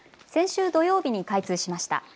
先週土曜日に開通しました。